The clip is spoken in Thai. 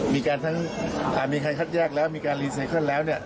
มีการทั้งถ้ามีการคัดแยกแล้วมีการรีเซ็คซั่นแล้วเนี่ย